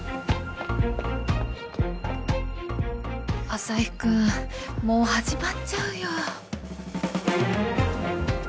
アサヒくんもう始まっちゃうよ